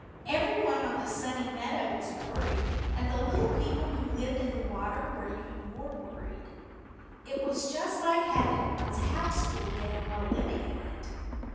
Everyone on the Sunny Meadow was worried, and the little people who lived in the water were even more worried. It was just like having one's house pulled down while living in it.